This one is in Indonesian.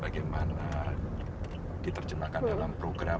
bagaimana diterjemahkan dalam program